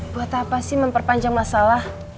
buat apa sih memperpanjang masalah